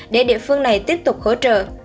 để địa phương này tiếp tục hỗ trợ